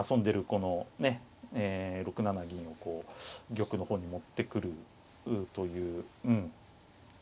この６七銀をこう玉の方に持ってくるといううん。